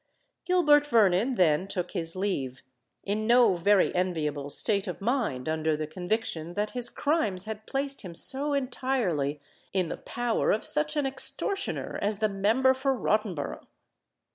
Gilbert Vernon then took his leave, in no very enviable state of mind under the conviction that his crimes had placed him so entirely in the power of such an extortioner as the Member for Rottenborough.